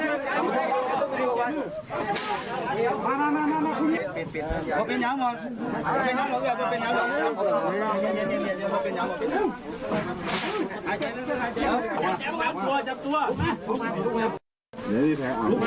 โอ้เป็นย้าวเหรอเป็นย้าวเหรอ